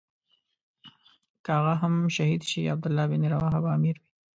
که هغه هم شهید شي عبدالله بن رواحه به امیر وي.